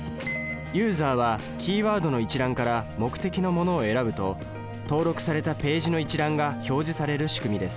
ユーザーはキーワードの一覧から目的のものを選ぶと登録されたページの一覧が表示されるしくみです。